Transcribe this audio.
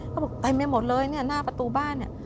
เขาบอกเต็มไปหมดเลยเนี่ยหน้าประตูบ้านเนี่ย